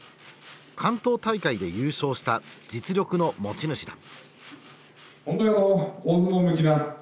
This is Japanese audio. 関東大会で優勝した実力の持ち主だ。